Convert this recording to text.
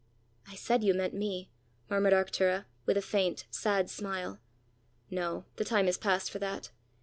"I said you meant me!" murmured Arctura, with a faint, sad smile. "No; the time is past for that.